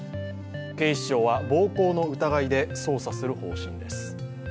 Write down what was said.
警視庁は暴行の疑いで捜査する方針です。